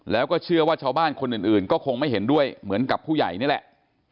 แล้วก็เชื่อว่าชาวบ้านคนอื่นก็คงไม่เห็นด้วยเหมือนกับผู้ใหญ่นี่แหละ